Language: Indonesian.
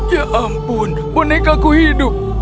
ya ampun bonekaku hidup